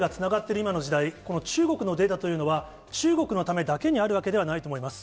今の時代、この中国のデータというのは、中国のためだけにあるわけではないと思います。